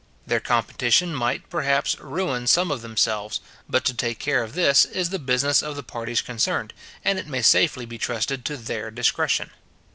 Their competition might, perhaps, ruin some of themselves; but to take care of this, is the business of the parties concerned, and it may safely be trusted to their discretion.